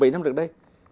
bảy năm trước đây